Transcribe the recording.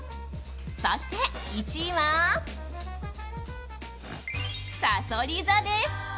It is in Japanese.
そして１位は、さそり座です。